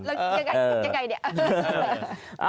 แล้วอย่างไรอย่างไรนี่